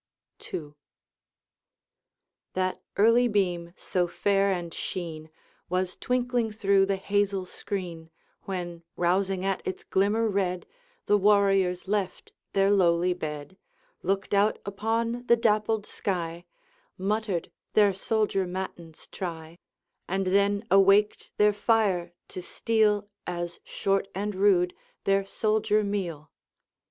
II. That early beam, so fair and sheen, Was twinkling through the hazel screen When, rousing at its glimmer red, The warriors left their lowly bed, Looked out upon the dappled sky, Muttered their soldier matins try, And then awaked their fire, to steal, As short and rude, their soldier meal.